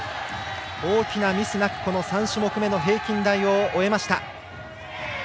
大きなミスなく３種目めの平均台を終えました。